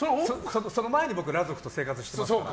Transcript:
その前に裸族と生活してたから。